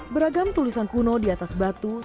beragam tulisan kuno di atas batu